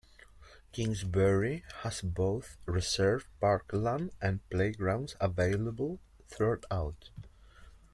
Kingsbury has both reserve parkland and playgrounds available throughout.